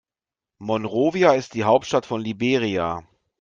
Monrovia ist die Hauptstadt von Liberia.